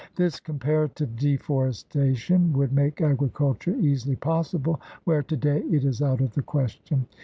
This comparative de forestation would make agriculture easily possible where today it is out of the question.